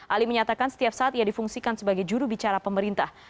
ali menyatakan setiap saat ia difungsikan sebagai jurubicara pemerintah